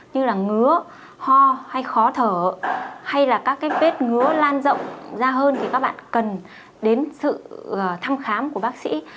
như là ngứa ho hay khó thở hay là các cái bếp ngứa lan rộng ra hơn thì các bạn cần đến sự thăm khám của bác sĩ